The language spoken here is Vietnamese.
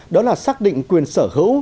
đó là xác định quyền sở hữu